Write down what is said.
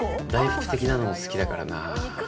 大福的なのも好きだからな。